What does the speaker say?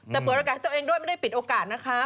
แต่เปิดโอกาสให้ตัวเองด้วยไม่ได้ปิดโอกาสนะคะ